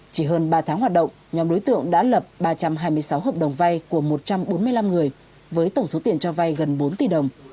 chỉ hơn ba tháng hoạt động nhóm đối tượng đã lập ba trăm hai mươi sáu hợp đồng vay của một trăm bốn mươi năm người với tổng số tiền cho vay gần bốn tỷ đồng